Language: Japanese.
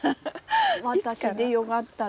私でよかったら。